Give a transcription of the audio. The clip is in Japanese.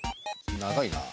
長いな。